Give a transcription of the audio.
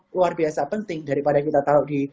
luar biasa penting daripada kita taruh di